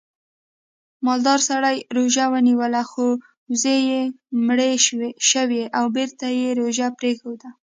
مالدار سړي روژه ونیوله خو وزې یې مړې شوې او بېرته یې روژه پرېښوده